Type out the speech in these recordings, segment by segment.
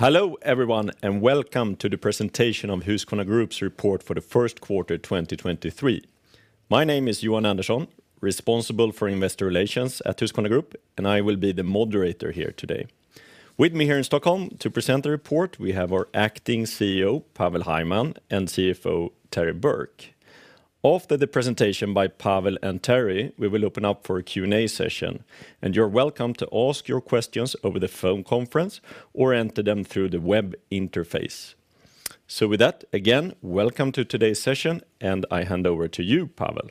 Hello everyone, welcome to the presentation of Husqvarna Group's report for the first quarter of 2023. My name is Johan Andersson, responsible for Investor Relations at Husqvarna Group, and I will be the moderator here today. With me here in Stockholm to present the report, we have our Acting CEO, Pavel Hajman, and CFO, Terry Burke. After the presentation by Pavel and Terry, we will open up for a Q&A session, and you're welcome to ask your questions over the phone conference or enter them through the web interface. With that, again, welcome to today's session, and I hand over to you, Pavel.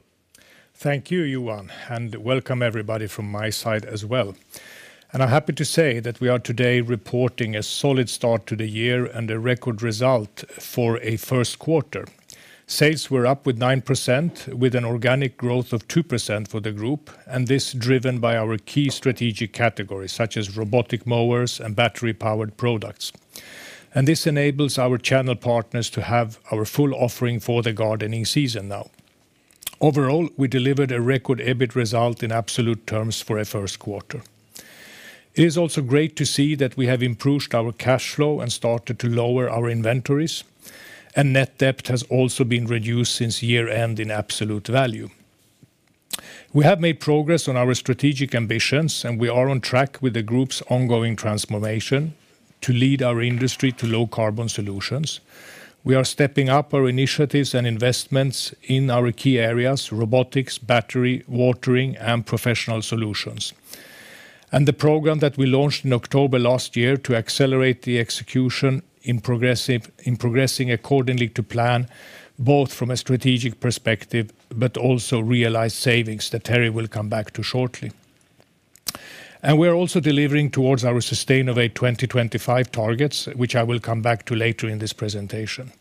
Thank you, Johan, welcome everybody from my side as well. I'm happy to say that we are today reporting a solid start to the year and a record result for a first quarter. Sales were up with 9%, with an organic growth of 2% for the group, and this driven by our key strategic categories such as robotic mowers and battery-powered products. This enables our channel partners to have our full offering for the gardening season now. Overall, we delivered a record EBIT result in absolute terms for a first quarter. It is also great to see that we have improved our cash flow and started to lower our inventories, and net debt has also been reduced since year-end in absolute value. We have made progress on our strategic ambitions, we are on track with the group's ongoing transformation to lead our industry to low carbon solutions. We are stepping up our initiatives and investments in our key areas, robotics, battery, watering, and professional solutions. The program that we launched in October last year to accelerate the execution in progressing accordingly to plan, both from a strategic perspective, but also realize savings that Terry will come back to shortly. We are also delivering towards our Sustainovate 2025 targets, which I will come back to later in this presentation.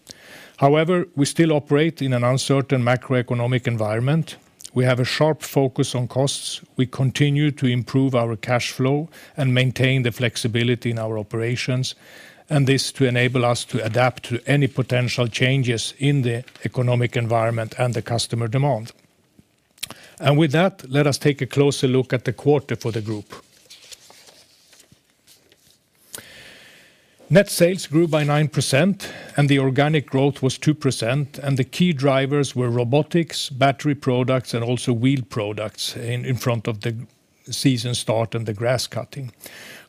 However, we still operate in an uncertain macroeconomic environment. We have a sharp focus on costs. We continue to improve our cash flow and maintain the flexibility in our operations, this to enable us to adapt to any potential changes in the economic environment and the customer demand. With that, let us take a closer look at the quarter for the group. Net sales grew by 9%. The organic growth was 2%. The key drivers were robotics, battery products, and also wheel products in front of the season start and the grass cutting. Growth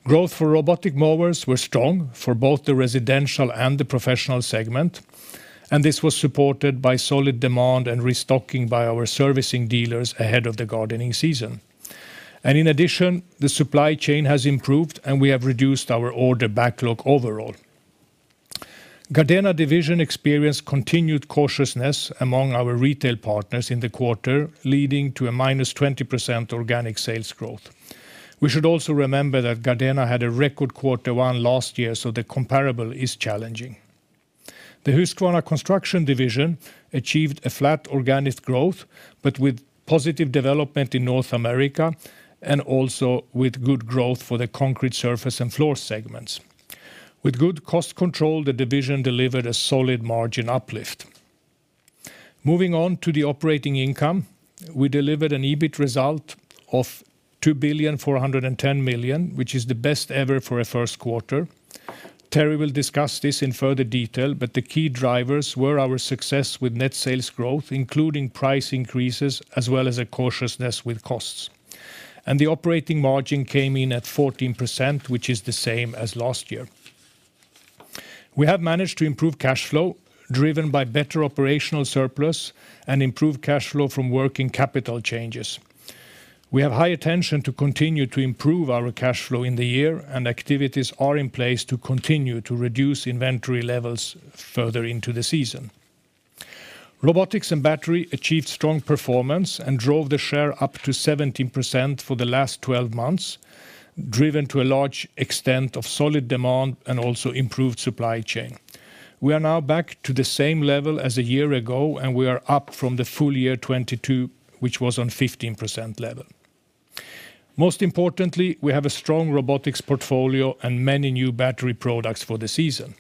for robotic mowers were strong for both the residential and the professional segment. This was supported by solid demand and restocking by our servicing dealers ahead of the gardening season. In addition, the supply chain has improved. We have reduced our order backlog overall. Gardena division experienced continued cautiousness among our retail partners in the quarter, leading to a -20% organic sales growth. We should also remember that Gardena had a record quarter one last year, so the comparable is challenging. The Husqvarna Construction division achieved a flat organic growth, but with positive development in North America and also with good growth for the Concrete Surfaces & Floors segments. With good cost control, the division delivered a solid margin uplift. Moving on to the operating income, we delivered an EBIT result of 2.41 billion, which is the best ever for a first quarter. Terry will discuss this in further detail, but the key drivers were our success with net sales growth, including price increases, as well as a cautiousness with costs. The operating margin came in at 14%, which is the same as last year. We have managed to improve cash flow driven by better operational surplus and improved cash flow from working capital changes. Activities are in place to continue to reduce inventory levels further into the season. Robotics and battery achieved strong performance and drove the share up to 17% for the last 12 months, driven to a large extent of solid demand and also improved supply chain. We are now back to the same level as a year ago. We are up from the full year 22, which was on 15% level. Most importantly, we have a strong robotics portfolio and many new battery products for the season.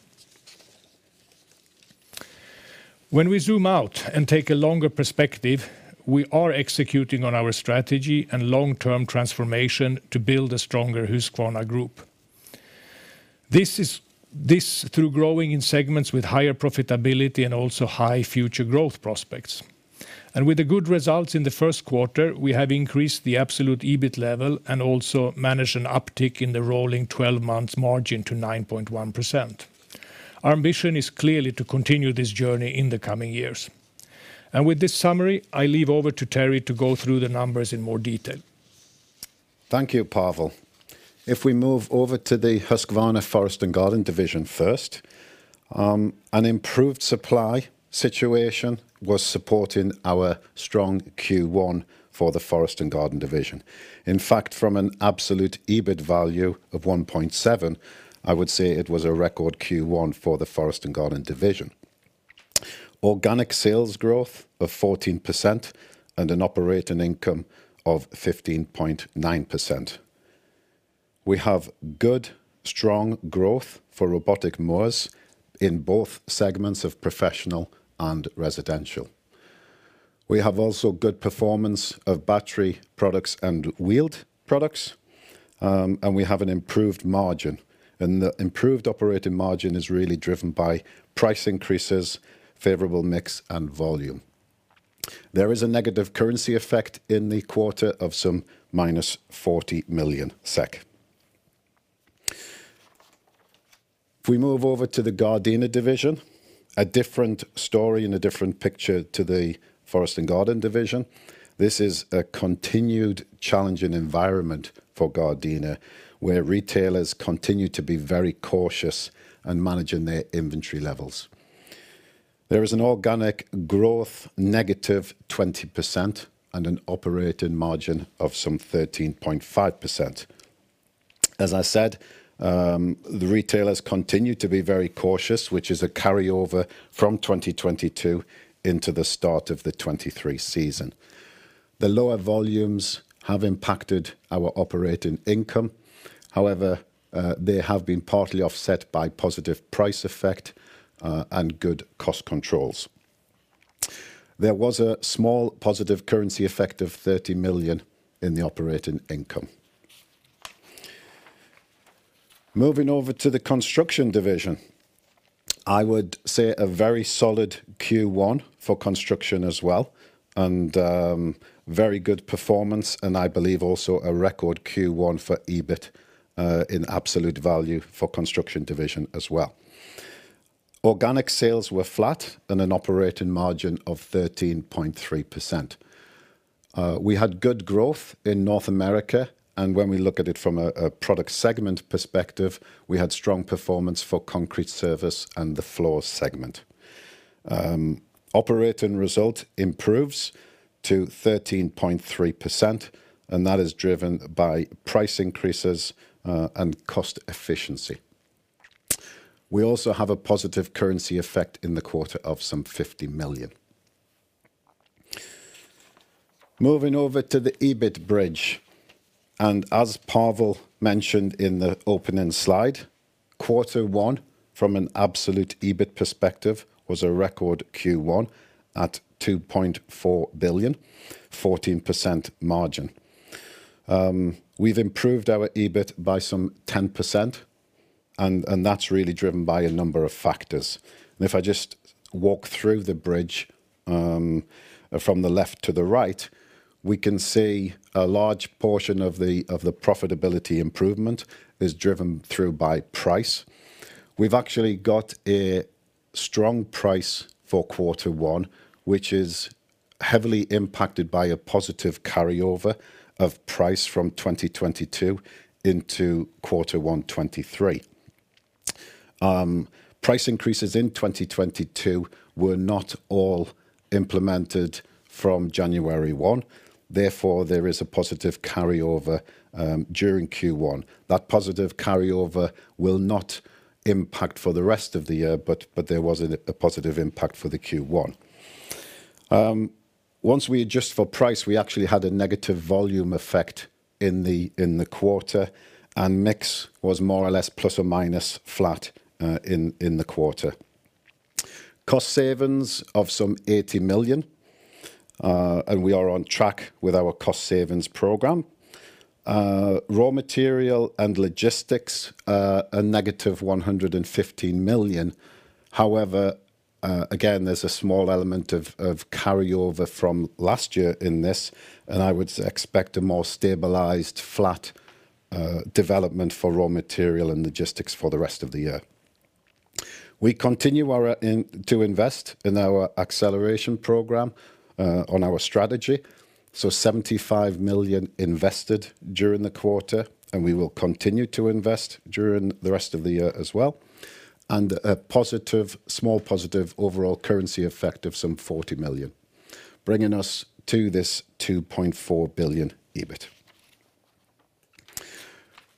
When we zoom out and take a longer perspective, we are executing on our strategy and long-term transformation to build a stronger Husqvarna Group. This through growing in segments with higher profitability and also high future growth prospects. With the good results in the first quarter, we have increased the absolute EBIT level and also managed an uptick in the rolling 12 months margin to 9.1%. Our ambition is clearly to continue this journey in the coming years. With this summary, I leave over to Terry to go through the numbers in more detail. Thank you, Pavel. If we move over to the Husqvarna Forest & Garden division first, an improved supply situation was supporting our strong Q1 for the Husqvarna Forest & Garden division. In fact, from an absolute EBIT value of one point seven, I would say it was a record Q1 for the Husqvarna Forest & Garden division. Organic sales growth of 14% and an operating income of 15.9%. We have good, strong growth for robotic mowers in both segments of professional and residential. We have also good performance of battery products and wheeled products, and we have an improved margin. The improved operating margin is really driven by price increases, favorable mix and volume. There is a negative currency effect in the quarter of some -40 million SEK. If we move over to the Gardena Division, a different story and a different picture to the Husqvarna Forest & Garden Division. This is a continued challenging environment for Gardena, where retailers continue to be very cautious in managing their inventory levels. There is an organic growth -20% and an operating margin of some 13.5%. As I said, the retailers continue to be very cautious, which is a carryover from 2022 into the start of the 2023 season. The lower volumes have impacted our operating income. They have been partly offset by positive price effect and good cost controls. There was a small positive currency effect of 30 million in the operating income. Moving over to the Construction Division, I would say a very solid Q1 for Construction as well, and very good performance, and I believe also a record Q1 for EBIT in absolute value for Construction Division as well. Organic sales were flat and an operating margin of 13.3%. We had good growth in North America, and when we look at it from a product segment perspective, we had strong performance for Concrete Surfaces & Floors segment. Operating result improves to 13.3%, and that is driven by price increases and cost efficiency. We also have a positive currency effect in the quarter of some 50 million. Moving over to the EBIT bridge, as Pavel mentioned in the opening slide, quarter one from an absolute EBIT perspective was a record Q1 at 2.4 billion, 14% margin. We've improved our EBIT by some 10%, and that's really driven by a number of factors. If I just walk through the bridge, from the left to the right, we can see a large portion of the profitability improvement is driven through by price. We've actually got a strong price for quarter one, which is heavily impacted by a positive carryover of price from 2022 into Q1 2023. Price increases in 2022 were not all implemented from January 1, therefore, there is a positive carryover during Q1. That positive carryover will not impact for the rest of the year, but there was a positive impact for the Q1. Once we adjust for price, we actually had a negative volume effect in the quarter, and mix was more or less plus or minus flat in the quarter. Cost savings of some 80 million, and we are on track with our cost savings program. Raw material and logistics, a negative 115 million. However, again, there's a small element of carryover from last year in this, and I would expect a more stabilized flat development for raw material and logistics for the rest of the year. We continue our to invest in our acceleration program on our strategy, 75 million invested during the quarter. We will continue to invest during the rest of the year as well. A small positive overall currency effect of some 40 million, bringing us to this 2.4 billion EBIT.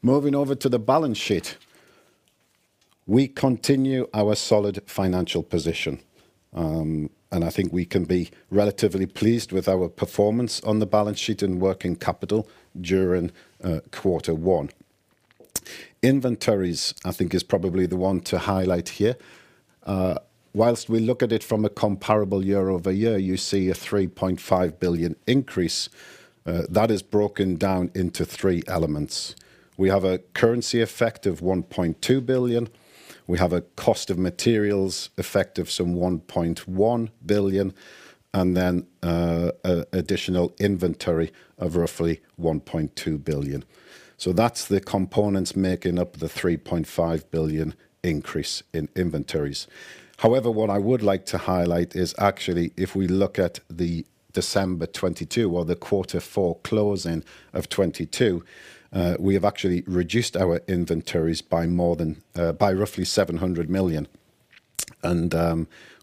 Moving over to the balance sheet, we continue our solid financial position. I think we can be relatively pleased with our performance on the balance sheet and working capital during quarter one. Inventories, I think, is probably the one to highlight here. Whilst we look at it from a comparable year-over-year, you see a 3.5 billion increase that is broken down into three elements. We have a currency effect of 1.2 billion. We have a cost of materials effect of some 1.1 billion, additional inventory of roughly 1.2 billion. That's the components making up the 3.5 billion increase in inventories. However, what I would like to highlight is actually if we look at the December 2022 or the Q4 closing of 2022, we have actually reduced our inventories by more than by roughly 700 million.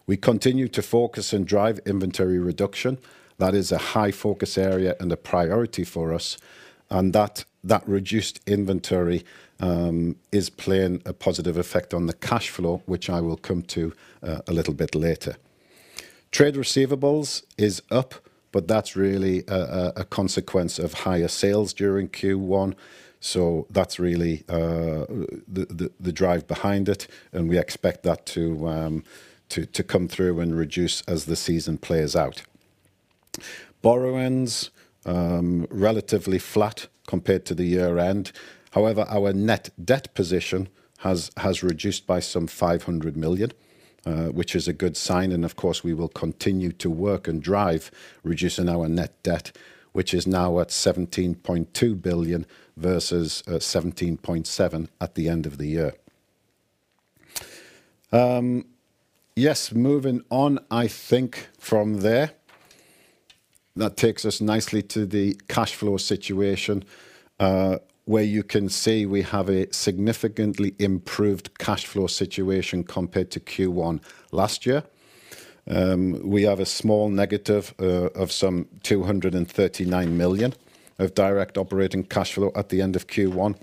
We continue to focus and drive inventory reduction. That is a high focus area and a priority for us. That reduced inventory is playing a positive effect on the cash flow, which I will come to a little bit later. Trade receivables is up, that's really a consequence of higher sales during Q1. That's really the drive behind it, and we expect that to come through and reduce as the season plays out. Borrowings, relatively flat compared to the year-end. However, our net debt position has reduced by some 500 million, which is a good sign. Of course, we will continue to work and drive reducing our net debt, which is now at 17.2 billion versus 17.7 billion at the end of the year. Moving on, I think from there, that takes us nicely to the cash flow situation, where you can see we have a significantly improved cash flow situation compared to Q1 last year. We have a small negative of some 239 million of direct operating cash flow at the end of Q1.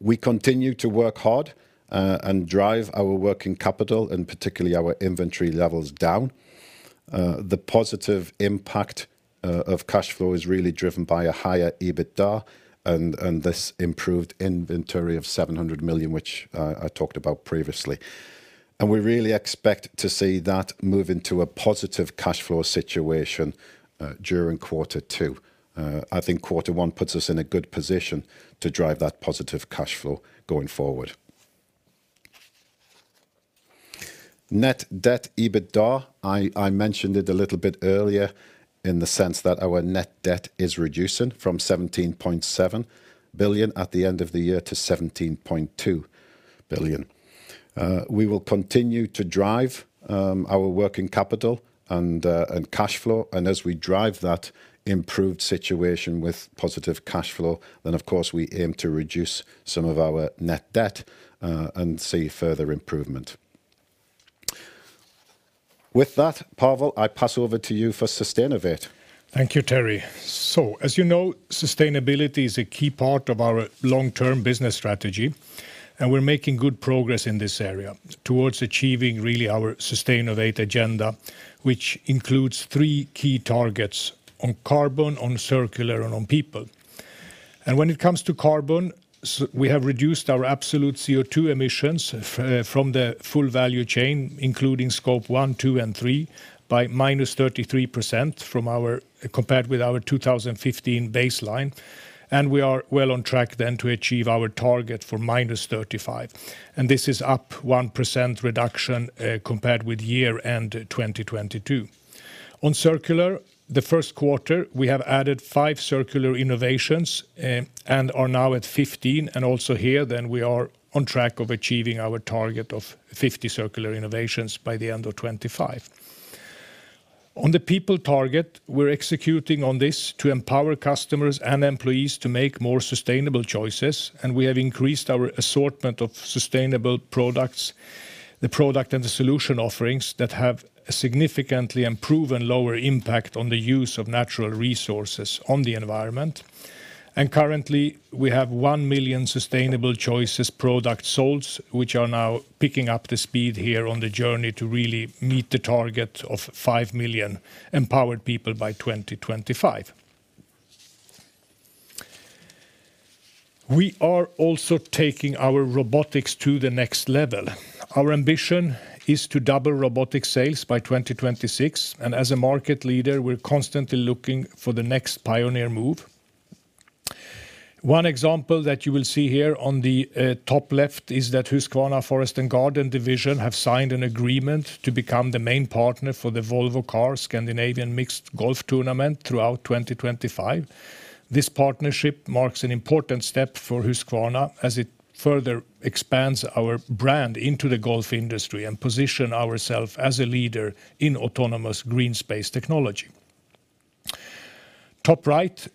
We continue to work hard and drive our working capital, and particularly our inventory levels, down. The positive impact of cash flow is really driven by a higher EBITDA and this improved inventory of 700 million, which I talked about previously. We really expect to see that move into a positive cash flow situation during quarter two. I think quarter one puts us in a good position to drive that positive cash flow going forward. Net Debt/EBITDA, I mentioned it a little bit earlier in the sense that our net debt is reducing from 17.7 billion at the end of the year to 17.2 billion. We will continue to drive our working capital and cash flow, and as we drive that improved situation with positive cash flow, then of course, we aim to reduce some of our net debt and see further improvement. With that, Pavel, I pass over to you for Sustainovate. Thank you, Terry. As you know, sustainability is a key part of our long-term business strategy, and we're making good progress in this area towards achieving really our Sustainovate agenda, which includes three key targets: on carbon, on circular, and on people. When it comes to carbon, we have reduced our absolute CO2 emissions from the full value chain, including Scope 1, 2, and 3, by -33% compared with our 2015 baseline. We are well on track then to achieve our target for -35%. This is up 1% reduction compared with year-end 2022. On circular, the first quarter, we have added five circular innovations, and are now at 15. Also here then we are on track of achieving our target of 50 circular innovations by the end of 2025. On the people target, we're executing on this to empower customers and employees to make more sustainable choices. We have increased our assortment of sustainable products, the product, and the solution offerings that have significantly improved and lower impact on the use of natural resources on the environment. Currently, we have 1 million sustainable choices product sold, which are now picking up the speed here on the journey to really meet the target of 5 million empowered people by 2025. We are also taking our robotics to the next level. Our ambition is to double robotic sales by 2026. As a market leader, we're constantly looking for the next pioneer move. One example that you will see here on the top left is that Husqvarna Forest & Garden division have signed an agreement to become the main partner for the Volvo Car Scandinavian Mixed golf tournament throughout 2025. This partnership marks an important step for Husqvarna as it further expands our brand into the golf industry and position ourself as a leader in autonomous green space technology. Top right,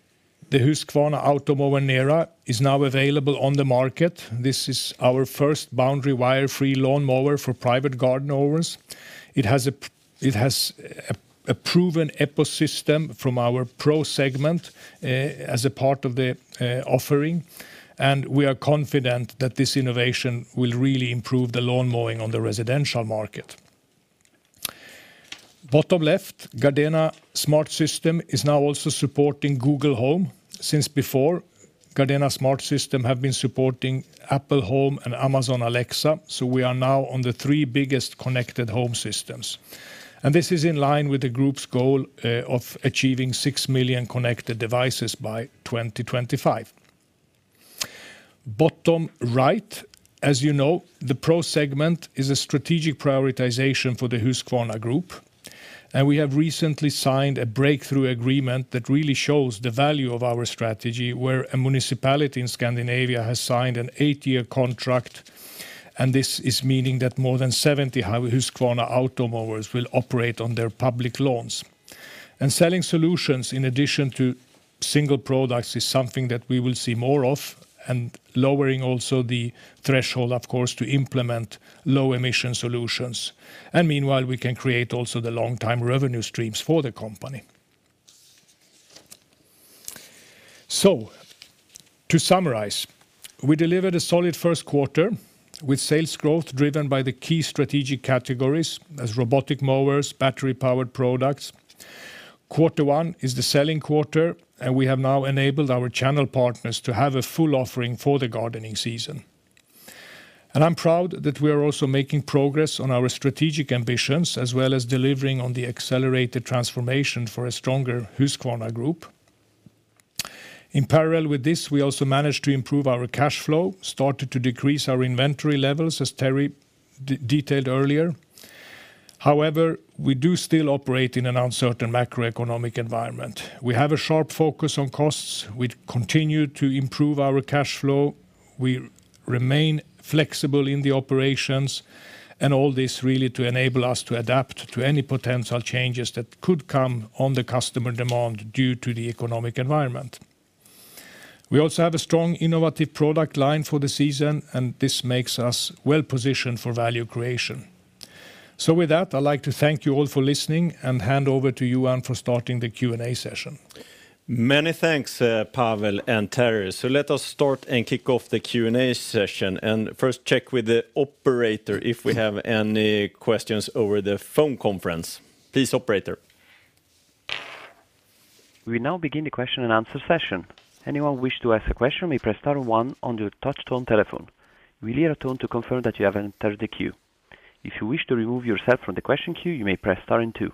the Husqvarna Automower NERA is now available on the market. This is our first boundary wire-free lawnmower for private garden owners. It has a proven ecosystem from our Pro segment as a part of the offering, and we are confident that this innovation will really improve the lawnmowing on the residential market. Bottom left, GARDENA smart system is now also supporting Google Home. Since before, GARDENA smart system have been supporting Apple Home and Amazon Alexa. We are now on the three biggest connected home systems. This is in line with the group's goal of achieving 6 million connected devices by 2025. Bottom right, as you know, the Pro segment is a strategic prioritization for the Husqvarna Group. We have recently signed a breakthrough agreement that really shows the value of our strategy, where a municipality in Scandinavia has signed an eight-year contract. This is meaning that more than 70 Husqvarna Automowers will operate on their public lawns. Selling solutions in addition to single products is something that we will see more of, lowering also the threshold, of course, to implement low-emission solutions. Meanwhile, we can create also the long-time revenue streams for the company. To summarize, we delivered a solid first quarter with sales growth driven by the key strategic categories as robotic mowers, battery-powered products. Quarter one is the selling quarter. We have now enabled our channel partners to have a full offering for the gardening season. I'm proud that we are also making progress on our strategic ambitions as well as delivering on the accelerated transformation for a stronger Husqvarna Group. In parallel with this, we also managed to improve our cash flow, started to decrease our inventory levels, as Terry detailed earlier. We do still operate in an uncertain macroeconomic environment. We have a sharp focus on costs. We continue to improve our cash flow. We remain flexible in the operations, and all this really to enable us to adapt to any potential changes that could come on the customer demand due to the economic environment. We also have a strong innovative product line for the season, and this makes us well-positioned for value creation. With that, I'd like to thank you all for listening and hand over to Johan for starting the Q&A session. Many thanks, Pavel and Terry. Let us start and kick off the Q&A session and first check with the operator if we have any questions over the phone conference. Please, operator. We now begin the question and answer session. Anyone wish to ask a question may press star one on your touch tone telephone. You will hear a tone to confirm that you have entered the queue. If you wish to remove yourself from the question queue, you may press star and two.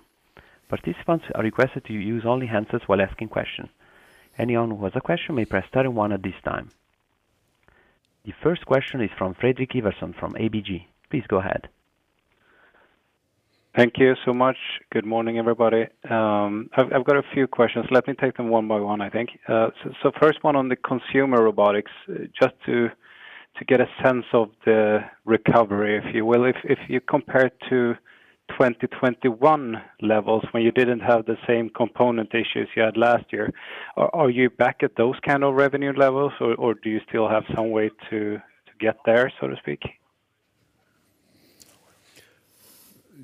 Participants are requested to use only handsets while asking questions. Anyone who has a question may press star and one at this time. The first question is from Fredrik Ivarsson from ABG. Please go ahead. Thank you so much. Good morning, everybody. I've got a few questions. Let me take them one by one, I think. First one on the consumer robotics, just to get a sense of the recovery, if you will. If you compare to 2021 levels, when you didn't have the same component issues you had last year, are you back at those kind of revenue levels, or do you still have some way to get there, so to speak?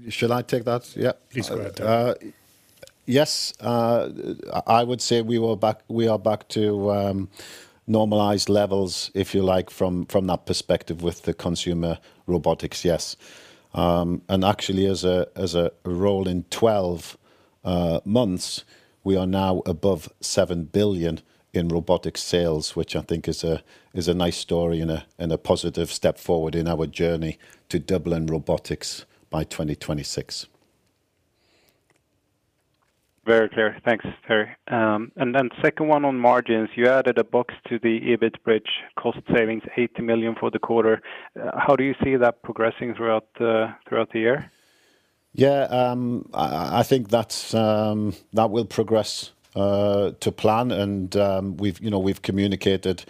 Should I take that? Yeah. Please go ahead. Yes. I would say we are back to normalized levels, if you like, from that perspective with the consumer robotics, yes. Actually, as a rolling 12 months, we are now above 7 billion in robotic sales, which I think is a nice story and a positive step forward in our journey to doubling robotics by 2026. Very clear. Thanks, Terry. second one on margins. You added a box to the EBIT bridge cost savings, 80 million for the quarter. How do you see that progressing throughout the year? I think that will progress to plan. We've, you know, we've communicated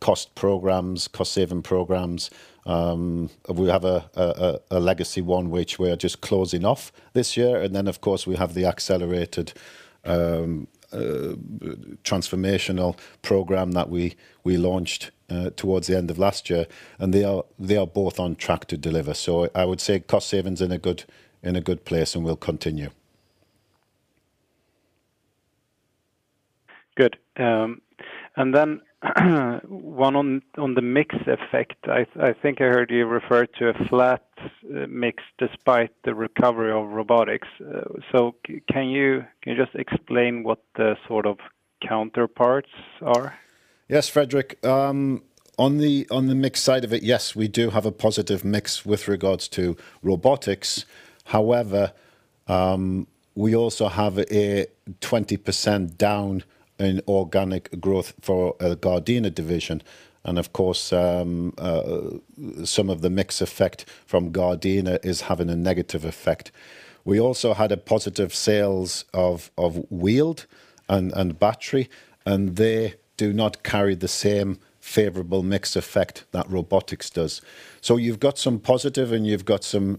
cost programs, cost saving programs. We have a legacy one which we're just closing off this year. Then, of course, we have the accelerated transformational program that we launched towards the end of last year. They are both on track to deliver. I would say cost savings in a good place and will continue. Good. One on the mix effect. I think I heard you refer to a flat mix despite the recovery of robotics. Can you just explain what the sort of counterparts are? Yes, Fredrik. On the mix side of it, yes, we do have a positive mix with regards to robotics. We also have a 20% down in organic growth for a Gardena division. Some of the mix effect from Gardena is having a negative effect. We also had a positive sales of wheeled and battery, and they do not carry the same favorable mix effect that robotics does. You've got some positive and you've got some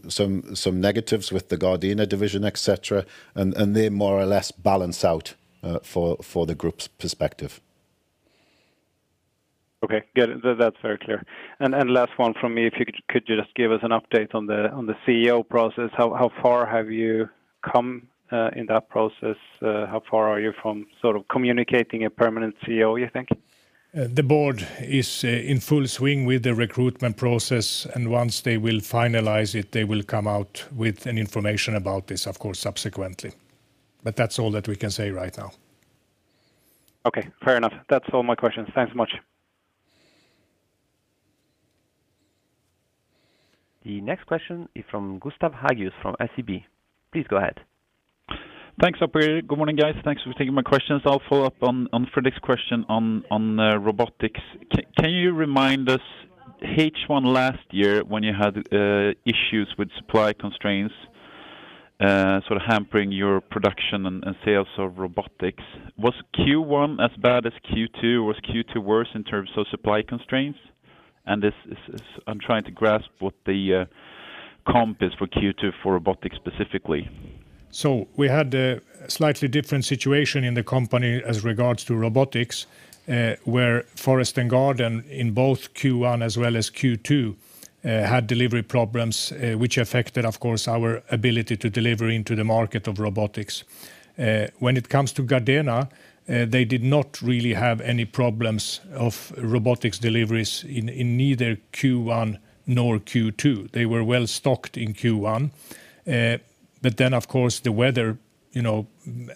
negatives with the Gardena division, et cetera. They more or less balance out for the group's perspective. Okay, good. That's very clear. Last one from me. If you could, just give us an update on the CEO process? How far have you come in that process? How far are you from sort of communicating a permanent CEO, you think? The board is in full swing with the recruitment process, and once they will finalize it, they will come out with an information about this, of course, subsequently. That's all that we can say right now. Okay, fair enough. That's all my questions. Thanks so much. The next question is from Gustav Hageus from SEB. Please go ahead. Thanks, operator. Good morning, guys. Thanks for taking my questions. I'll follow-up on Fredrik's question on robotics. Can you remind us, H one last year when you had issues with supply constraints, sort of hampering your production and sales of robotics, was Q1 as bad as Q2? Was Q2 worse in terms of supply constraints? I'm trying to grasp what the comp is for Q2 for robotics specifically. We had a slightly different situation in the company as regards to robotics, where Forest and Garden in both Q1 as well as Q2 had delivery problems, which affected, of course, our ability to deliver into the market of robotics. When it comes to Gardena, they did not really have any problems of robotics deliveries in neither Q1 nor Q2. They were well-stocked in Q1. Of course, the weather, you know,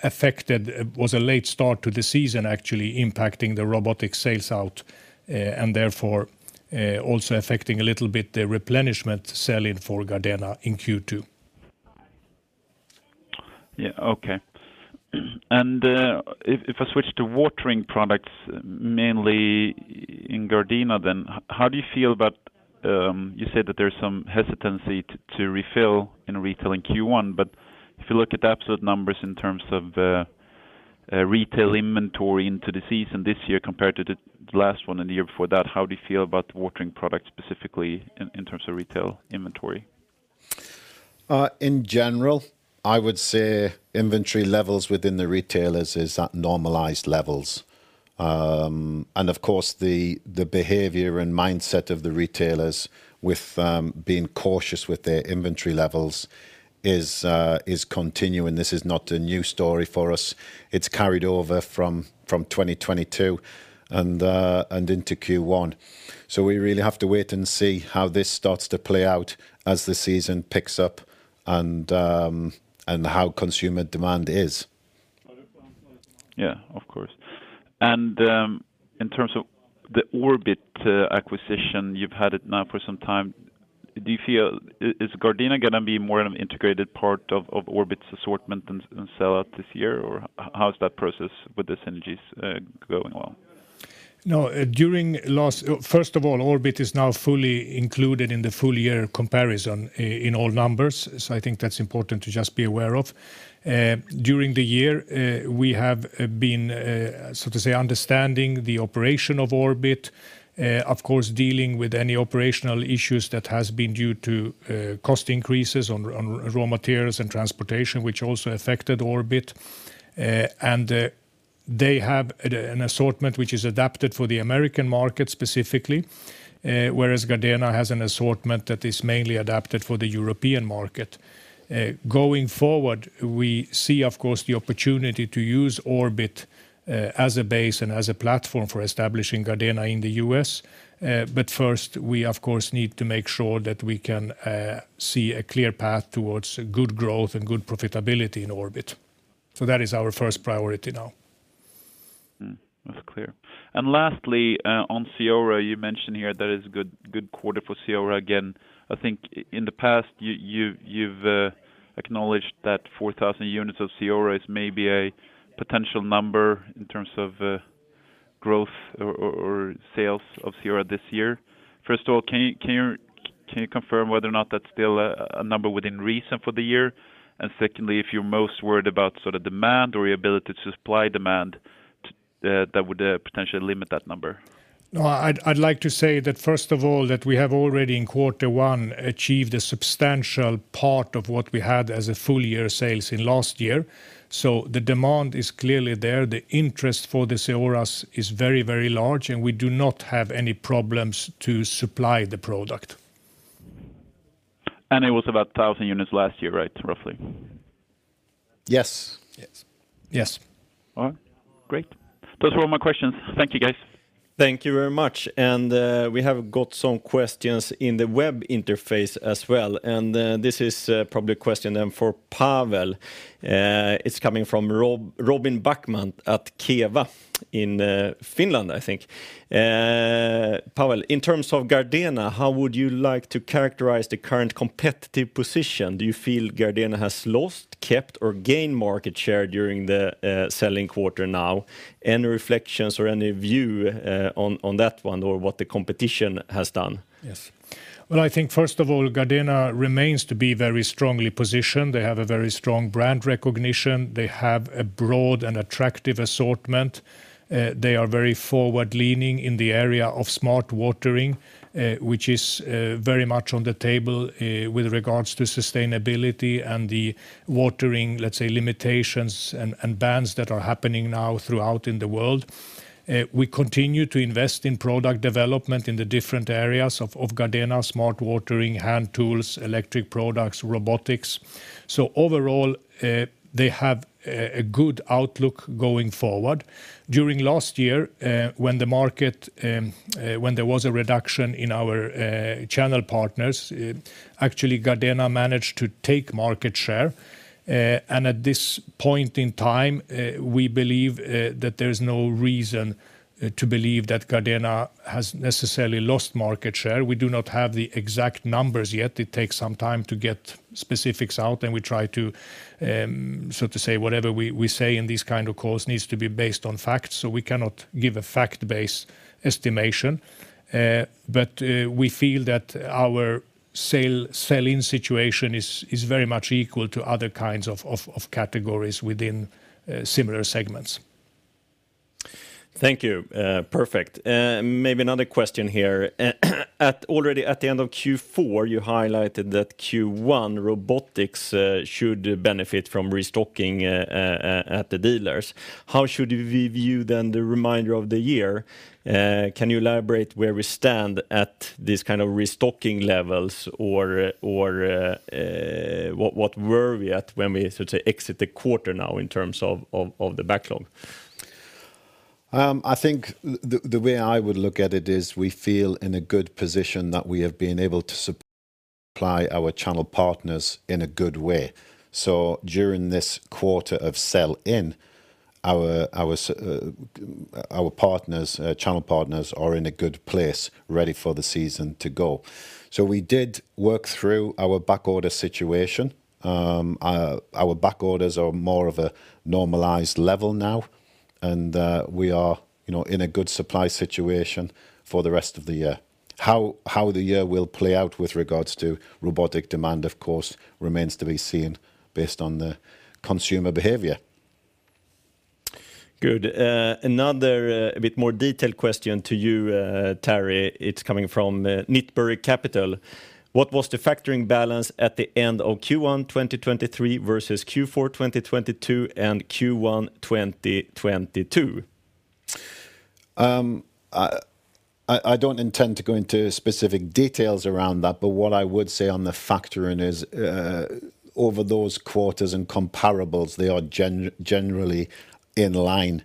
affected was a late start to the season actually impacting the robotic sales out, and therefore, also affecting a little bit the replenishment sell-in for Gardena in Q2. Yeah. Okay. If I switch to watering products mainly in Gardena, then how do you feel about? You said that there's some hesitancy to refill in retailing Q1. If you look at absolute numbers in terms of retail inventory into the season this year compared to the last one and the year before that, how do you feel about watering products specifically in terms of retail inventory? In general, I would say inventory levels within the retailers is at normalized levels. Of course the behavior and mindset of the retailers with being cautious with their inventory levels is continuing. This is not a new story for us. It's carried over from 2022 and into Q1. We really have to wait and see how this starts to play out as the season picks up and how consumer demand is. Yeah, of course. In terms of the Orbit acquisition, you've had it now for some time. Do you feel, is Gardena gonna be more of an integrated part of Orbit's assortment and sellout this year, or how's that process with the synergies going along? First of all, Orbit is now fully included in the full year comparison in all numbers. I think that's important to just be aware of. During the year, we have been, so to say, understanding the operation of Orbit, of course, dealing with any operational issues that has been due to cost increases on raw materials and transportation, which also affected Orbit. They have an assortment which is adapted for the American market specifically, whereas Gardena has an assortment that is mainly adapted for the European market. Going forward, we see of course the opportunity to use Orbit as a base and as a platform for establishing Gardena in the U.S., but first we of course need to make sure that we can see a clear path towards good growth and good profitability in Orbit. That is our first priority now. Hmm. That's clear. Lastly, on CEORA, you mentioned here that is good quarter for CEORA again. I think in the past you've acknowledged that 4,000 units of CEORA is maybe a potential number in terms of growth or sales of CEORA this year. First of all, can you confirm whether or not that's still a number within reason for the year? Secondly, if you're most worried about sort of demand or your ability to supply demand that would potentially limit that number. I'd like to say that first of all, that we have already in quarter one achieved a substantial part of what we had as a full year sales in last year. The demand is clearly there. The interest for the CEORA is very large, and we do not have any problems to supply the product. It was about 1,000 units last year, right? Roughly. Yes. Yes. Yes. All right. Great. Those were all my questions. Thank you, guys. Thank you very much. We have got some questions in the web interface as well, and, this is, probably a question then for Pavel. It's coming from Robin Backman at Keva in Finland, I think. Pavel, in terms of Gardena, how would you like to characterize the current competitive position? Do you feel Gardena has lost, kept, or gained market share during the selling quarter now? Any reflections or any view on that one or what the competition has done? Well, I think first of all, Gardena remains to be very strongly positioned. They have a very strong brand recognition. They have a broad and attractive assortment. They are very forward-leaning in the area of smart watering, which is very much on the table with regards to sustainability and the watering, let's say, limitations and bans that are happening now throughout in the world. We continue to invest Can you elaborate where we stand at these kind of restocking levels or what were we at when we sort of exit the quarter now in terms of the backlog? I think the way I would look at it is we feel in a good position that we have been able to supply our channel partners in a good way. During this quarter of sell-in, our channel partners are in a good place ready for the season to go. We did work through our backorder situation. Our backorders are more of a normalized level now, and we are, you know, in a good supply situation for the rest of the year. How the year will play out with regards to robotic demand, of course, remains to be seen based on the consumer behavior. Good. another, a bit more detailed question to you, Terry. It's coming from Kintbury Capital. "What was the factoring balance at the end of Q1 2023 versus Q4 2022 and Q1 2022? I don't intend to go into specific details around that, but what I would say on the factoring is, over those quarters and comparables, they are generally in line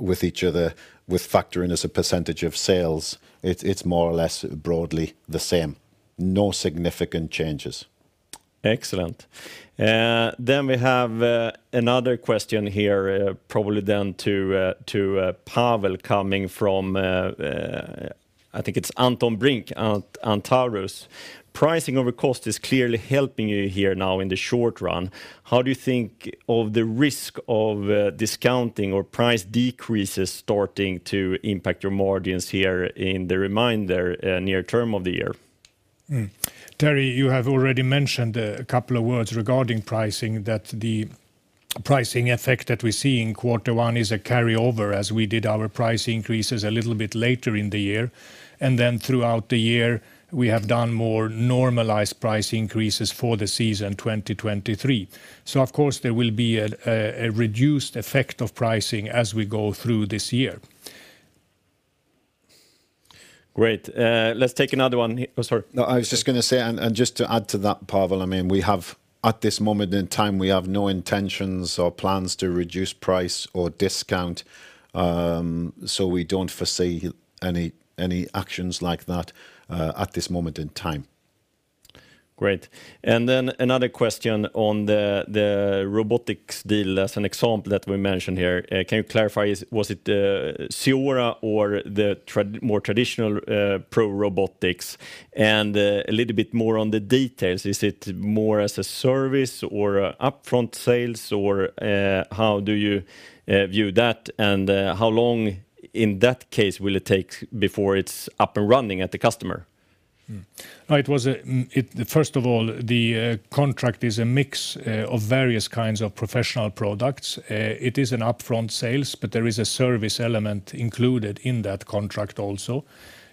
with each other, with factoring as a percentage of sales. It's, it's more or less broadly the same. No significant changes. Excellent. We have another question here, probably then to Pavel coming from, I think it's Anton Brink, Antaurus. "Pricing over cost is clearly helping you here now in the short run. How do you think of the risk of discounting or price decreases starting to impact your margins here in the remainder, near-term of the year? Terry, you have already mentioned a couple of words regarding pricing, that the pricing effect that we see in quarter one is a carryover as we did our price increases a little bit later in the year. Throughout the year, we have done more normalized price increases for the season 2023. Of course there will be a reduced effect of pricing as we go through this year. Great. let's take another one Oh, sorry. No, I was just gonna say, and just to add to that, Pavel, I mean, we have at this moment in time no intentions or plans to reduce price or discount. We don't foresee any actions like that at this moment in time. Great. Then another question on the robotics deal as an example that we mentioned here. Can you clarify, was it CEORA or the more traditional Pro Robotics? A little bit more on the details. Is it more as a service or an upfront sales? How do you view that? How long in that case will it take before it's up and running at the customer? First of all, the contract is a mix of various kinds of professional products. It is an upfront sales, but there is a service element included in that contract also.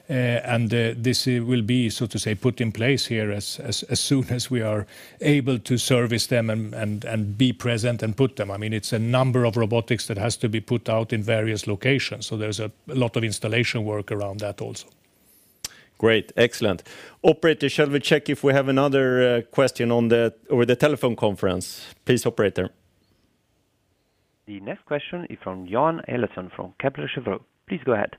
This will be, so to say, put in place here as soon as we are able to service them and be present and put them. I mean, it's a number of robotics that has to be put out in various locations, so there's a lot of installation work around that also. Great. Excellent. Operator, shall we check if we have another question over the telephone conference? Please, operator. The next question is from Johan Eliason from Kepler Cheuvreux. Please go ahead.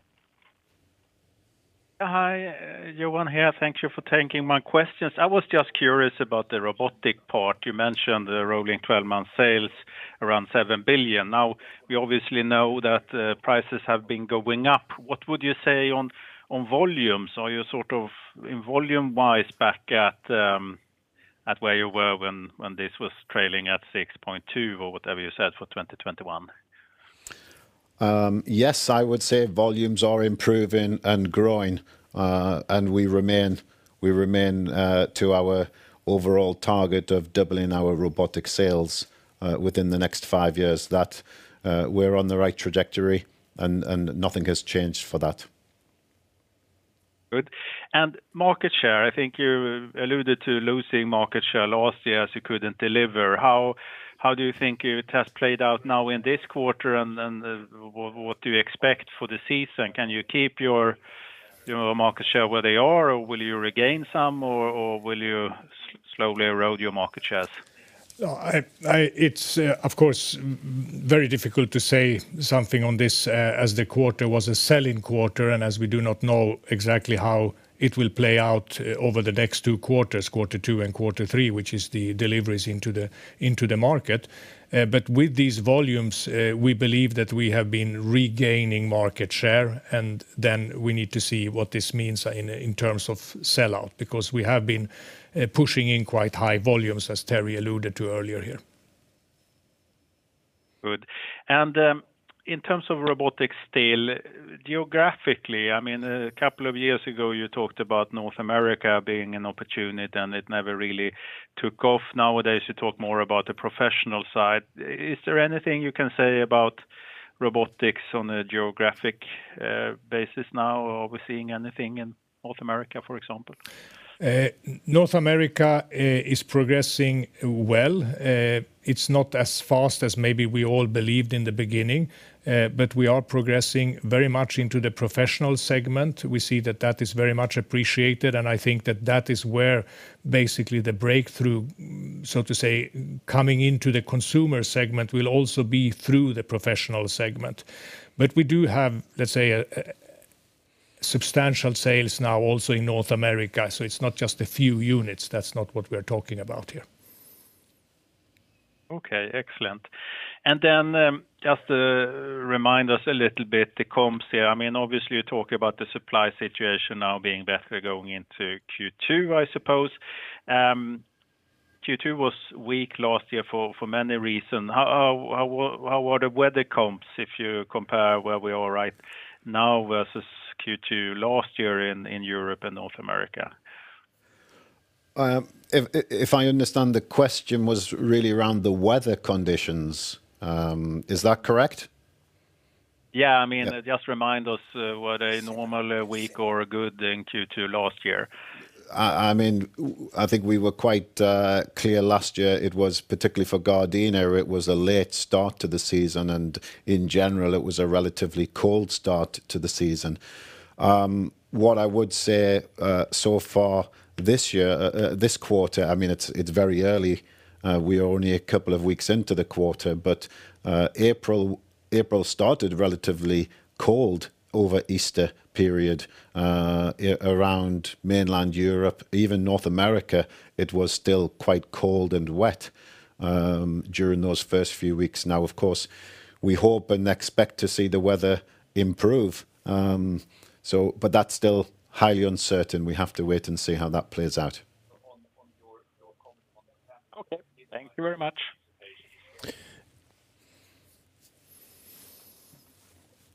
Hi. Johan here. Thank you for taking my questions. I was just curious about the robotic part. You mentioned the rolling 12-month sales around 7 billion. We obviously know that prices have been going up. What would you say on volumes? Are you sort of, in volume-wise, back at where you were when this was trailing at 6.2 billion or whatever you said for 2021? Yes, I would say volumes are improving and growing. We remain to our overall target of doubling our robotic sales within the next five years. That, we're on the right trajectory and nothing has changed for that. Good. Market share, I think you alluded to losing market share last year as you couldn't deliver. How do you think it has played out now in this quarter? What do you expect for the season? Can you keep your market share where they are, or will you regain some, or will you slowly erode your market shares? No, it's of course very difficult to say something on this, as the quarter was a sell-in quarter and as we do not know exactly how it will play out over the next two quarters, quarter two and quarter three, which is the deliveries into the market. With these volumes, we believe that we have been regaining market share, and then we need to see what this means in terms of sell-out, because we have been pushing in quite high volumes, as Terry alluded to earlier here. Good. In terms of robotic scale, geographically, I mean, a couple of years ago, you talked about North America being an opportunity, and it never really took off. Nowadays, you talk more about the professional side. Is there anything you can say about robotics on a geographic basis now? Are we seeing anything in North America, for example? North America is progressing well. It's not as fast as maybe we all believed in the beginning, we are progressing very much into the professional segment. We see that that is very much appreciated, and I think that that is where basically the breakthrough, so to say, coming into the consumer segment will also be through the professional segment. We do have, let's say, substantial sales now also in North America, so it's not just a few units. That's not what we're talking about here. Okay, excellent. Just to remind us a little bit, the comps here. I mean, obviously you talk about the supply situation now being better going into Q2, I suppose. Q2 was weak last year for many reason. How were the weather comps if you compare where we are right now versus Q2 last year in Europe and North America? If I understand the question was really around the weather conditions, is that correct? Yeah. I mean. Yeah. Just remind us, were they normal week or good in Q2 last year? I mean, I think we were quite clear last year. It was particularly for Gardena, it was a late start to the season, and in general, it was a relatively cold start to the season. What I would say so far this year, this quarter, I mean, it's very early. We are only a couple of weeks into the quarter, but April started relatively cold over Easter period around mainland Europe. Even North America, it was still quite cold and wet during those first few weeks. Now, of course, we hope and expect to see the weather improve, so but that's still highly uncertain. We have to wait and see how that plays out. Okay. Thank you very much.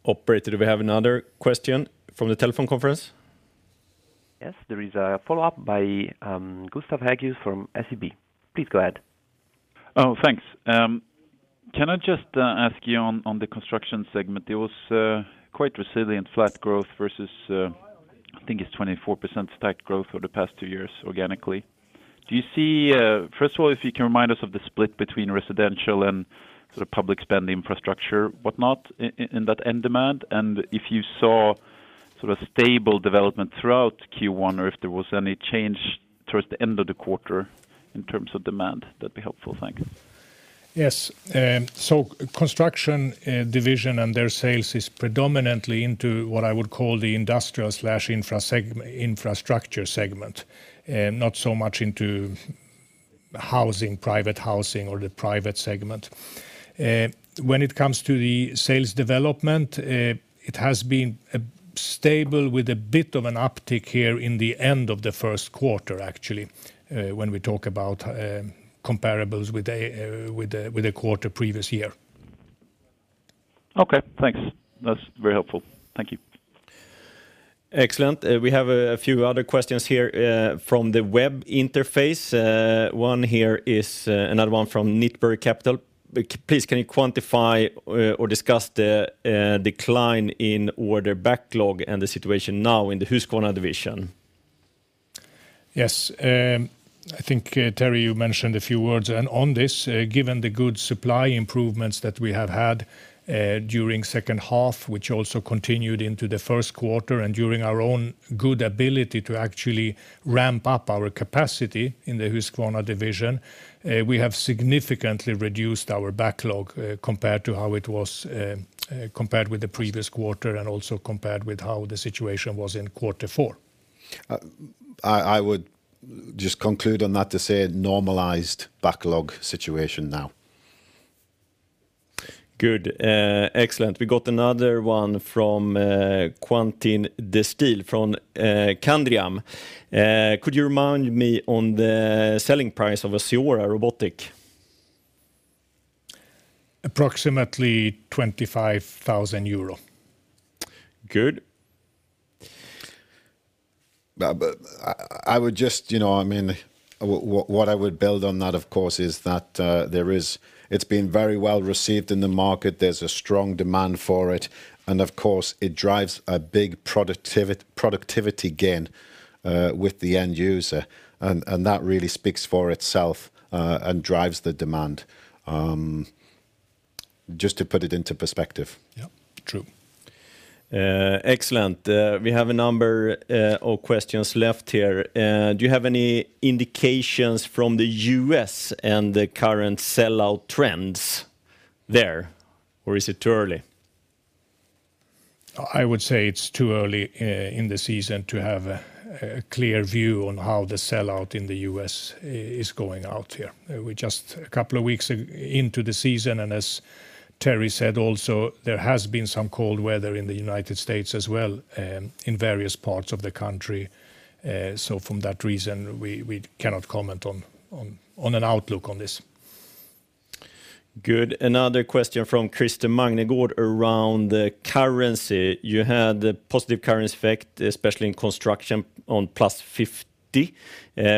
Operator, do we have another question from the telephone conference? Yes. There is a follow-up by Gustav Hageus from SEB. Please go ahead. Thanks. Can I just ask you on the Construction segment? It was quite resilient, flat growth versus, I think it's 24% stacked growth over the past two years organically. Do you see. First of all, if you can remind us of the split between residential and sort of public spend infrastructure, what not in that end demand, and if you saw sort of stable development throughout Q1 or if there was any change towards the end of the quarter in terms of demand, that'd be helpful. Thank you. Yes. Construction division and their sales is predominantly into what I would call the industrial/infra infrastructure segment, not so much into housing, private housing or the private segment. When it comes to the sales development, it has been a stable with a bit of an uptick here in the end of the first quarter, actually, when we talk about comparables with a quarter previous year. Okay, thanks. That's very helpful. Thank you. Excellent. We have a few other questions here from the web interface. One here is another one from Kintbury Capital. Please, can you quantify or discuss the decline in order backlog and the situation now in the Husqvarna division? Yes. I think, Terry, you mentioned a few words. On this, given the good supply improvements that we have had during second half, which also continued into the first quarter and during our own good ability to actually ramp up our capacity in the Husqvarna division, we have significantly reduced our backlog compared to how it was compared with the previous quarter and also compared with how the situation was in quarter four. I would just conclude on that to say normalized backlog situation now. Good. Excellent. We got another one from Quentin de Streel from Candriam. Could you remind me on the selling price of a CEORA robotic? Approximately EUR 25,000. Good. I would just, you know, I mean, what I would build on that, of course, is that it's been very well received in the market. There's a strong demand for it, and of course, it drives a big productivity gain with the end user. That really speaks for itself and drives the demand just to put it into perspective. Yeah. True. Excellent. We have a number of questions left here. Do you have any indications from the U.S. and the current sellout trends there, or is it too early? I would say it's too early in the season to have a clear view on how the sellout in the U.S. is going out here. We're just a couple of weeks into the season, and as Terry said also, there has been some cold weather in the United States as well, in various parts of the country. From that reason, we cannot comment on an outlook on this. Good. Another question from Christer Magnergård around the currency. You had a positive currency effect, especially in Construction, on +50.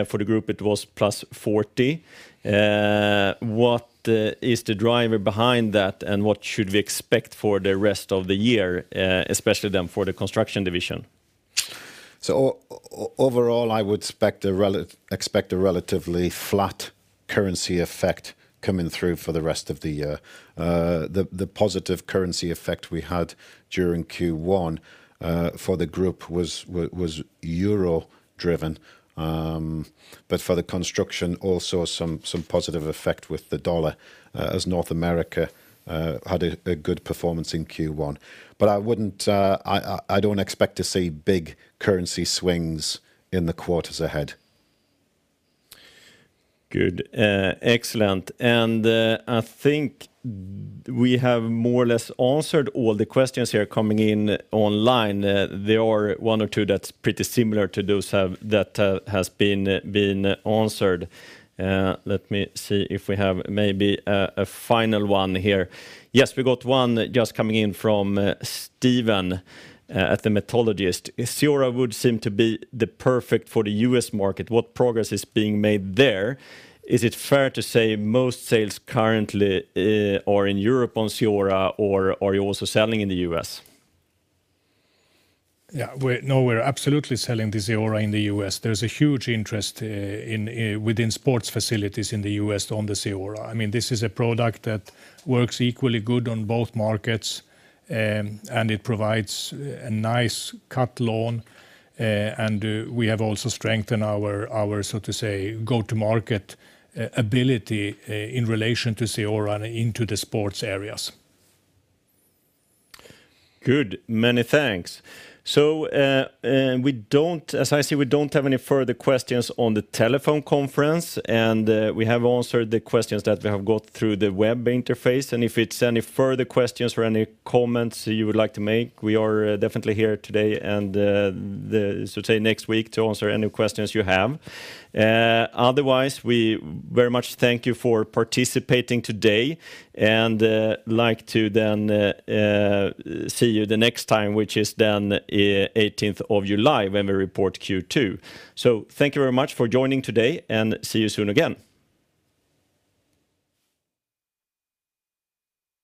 For the group, it was +40. What is the driver behind that, and what should we expect for the rest of the year, especially then for the Construction division? Overall, I would expect a relatively flat currency effect coming through for the rest of the year. The positive currency effect we had during Q1 for the group was euro driven. For the construction, also some positive effect with the dollar, as North America had a good performance in Q1. I wouldn't, I don't expect to see big currency swings in the quarters ahead. Good. Excellent. I think we have more or less answered all the questions here coming in online. There are one or two that's pretty similar to those that has been answered. Let me see if we have maybe a final one here. Yes, we got one just coming in from Steven at The Methodologist. "As CEORA would seem to be the perfect for the U.S. market, what progress is being made there? Is it fair to say most sales currently are in Europe on CEORA, or are you also selling in the U.S.? Yeah. No, we're absolutely selling the CEORA in the U.S. There's a huge interest within sports facilities in the U.S. on the CEORA. I mean, this is a product that works equally good on both markets, and it provides a nice cut lawn. We have also strengthened our so to say, go-to-market ability in relation to CEORA into the sports areas. Good. Many thanks. As I see, we don't have any further questions on the telephone conference, we have answered the questions that we have got through the web interface. If it's any further questions or any comments you would like to make, we are definitely here today and next week to answer any questions you have. Otherwise, we very much thank you for participating today and like to see you the next time, which is 18th of July when we report Q2. Thank you very much for joining today, and see you soon again.